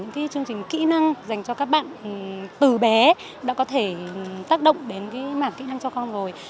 những chương trình kỹ năng dành cho các bạn từ bé đã có thể tác động đến mảng kỹ năng cho con rồi